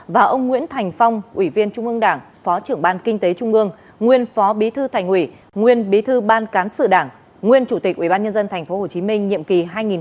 và ông nguyễn thành phong ủy viên trung ương đảng phó trưởng ban kinh tế trung ương nguyên phó bí thư thành ủy nguyên bí thư ban cán sự đảng nguyên chủ tịch ubnd tp hcm nhiệm kỳ hai nghìn một mươi sáu hai nghìn một mươi một